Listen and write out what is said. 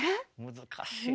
難しい。